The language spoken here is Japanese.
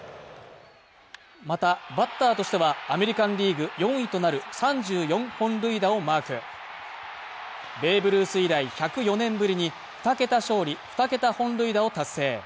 またバッターとしてはアメリカンリーグ４位となる３４本塁打をマークベーブ・ルース以来１０４年ぶりに２桁勝利２桁本塁打を達成